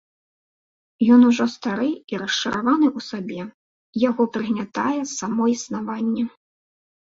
Ён ужо стары і расчараваны ў сабе, яго прыгнятае само існаванне.